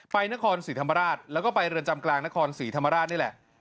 ไปนครศรีธรรมราชแล้วก็ไปเรือนจำกลางนครศรีธรรมราชนี่แหละ